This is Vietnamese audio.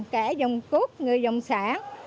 cả dòng quốc người dòng xã